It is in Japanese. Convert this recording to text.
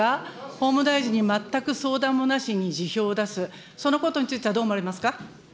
法務大臣に全く相談もなしに辞表を出す、そのことについてはどう思われますか。